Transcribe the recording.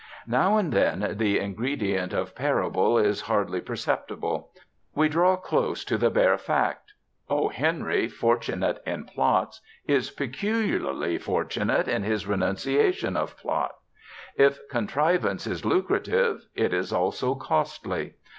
Now and then the ingredient of parable is hardly perceptible; we draw close to the bare fact. O. Henry, fortunate in plots, is peculiarly fortunate in his renunciation of plot. If contrivance is lucrative, it is also costly.